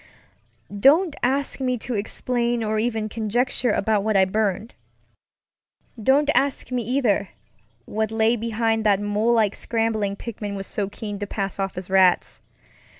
Don't ask me to explain or even conjecture about what I burned. Don't ask me, either, what lay behind that mole like scrambling Pickman was so keen to pass off as rats.